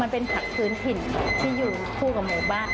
มันเป็นผักพื้นถิ่นที่อยู่คู่กับหมู่บ้าน